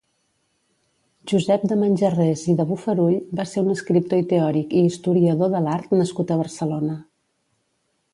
Josep de Manjarrés i de Bofarull va ser un escriptor i teòric i historiador de l’art nascut a Barcelona.